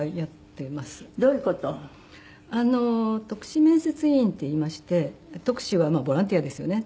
篤志面接委員っていいまして篤志はボランティアですよね。